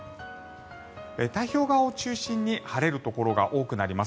太平洋側を中心に晴れるところが多くなります。